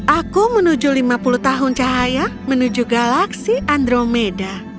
aku menuju lima puluh tahun cahaya menuju galaksi andromeda